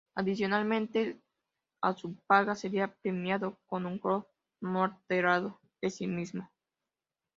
Adicionalmente a su paga, sería premiado con un clon no alterado de sí mismo.